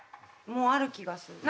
もある気がする。